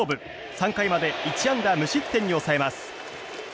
３回まで１安打無失点に抑えます。